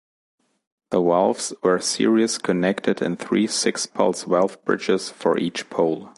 The valves were series connected in three six-pulse valve bridges for each pole.